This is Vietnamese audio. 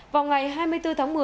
vào ngày hai mươi bốn tháng một mươi